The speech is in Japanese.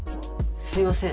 すいません。